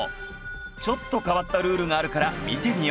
ちょっと変わったルールがあるから見てみよう